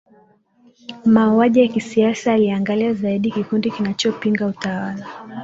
mauaji ya kisiasa yaliangalia zaidi kikundi kinachopinga utawala